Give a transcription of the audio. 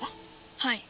はい。